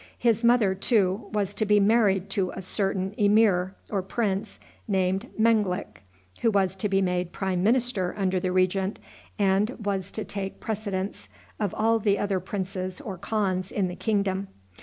His mother, too, was to be married to a certain emir, or prince, named Menglik, who was to be made prime minister under the regent, and was to take precedence of all the other princes or khans in the kingdom.